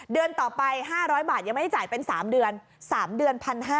เดือนต่อไป๕๐๐บาทยังไม่ได้จ่ายเป็น๓เดือน๓เดือน๑๕๐๐